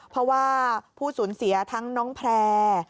เพราะว่าผู้สูญเสียทั้งน้องแพร่